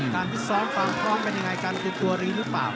การพิสร้อมฟังพร้อมเป็นยังไงการตื่นตัวรีหรือเปล่า